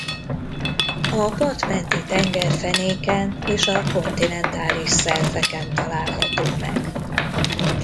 A partmenti tengerfenéken és a kontinentális selfeken található meg.